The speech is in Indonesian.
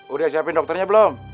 udah siapin dokternya belum